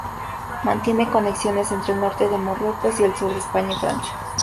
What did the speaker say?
Mantiene conexiones entre el norte de Marruecos y el sur de España y Francia.